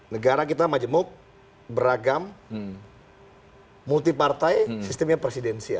negara kita majemuk beragam multipartai sistemnya presidensial